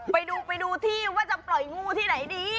ไปดูไปดูที่ว่าจะปล่อยงูที่ไหนดี